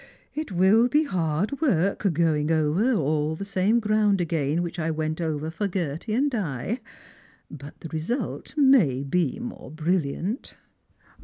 " It will be hard work going over all the same ground again which I went over for Gerty and Di, but the result may be more brilliant."